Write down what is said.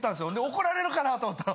怒られるかなと思ったら。